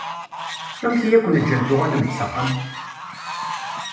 Amek i aken-ǧǧan tuɣalem-d s axxam?